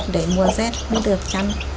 để mùa rét mới được chăn